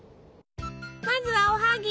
まずはおはぎ！